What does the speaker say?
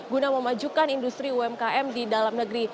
guna memajukan industri umkm di dalam negeri